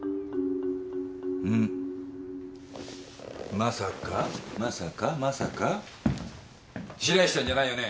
まさかまさかまさか白石ちゃんじゃないよね？